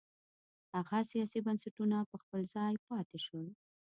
هغه سیاسي بنسټونه په خپل ځای پاتې شول.